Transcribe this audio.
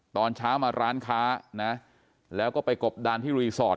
ตอนเช้ามาร้านค้านะแล้วก็ไปกบดานที่รีสอร์ท